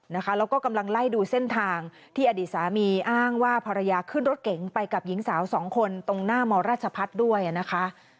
แล้วก็กำลังไล่ดูเส้นทางที่อดีตสามีอ้างว่าภรรยาขึ้นรถเก๋งไปกับหญิงสาวสองคนตรงหน้ามราชพัฒน์ด้วยนะคะ